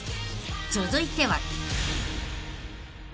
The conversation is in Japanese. ［続いては］